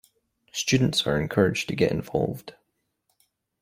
Students are encouraged to get involved.